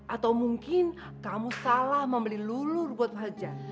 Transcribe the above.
atau mungkin kamu salah membeli lulur buat wajah